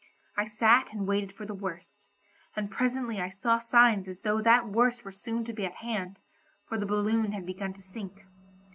I sat and waited for the worst, and presently I saw signs as though that worst were soon to be at hand, for the balloon had begun to sink.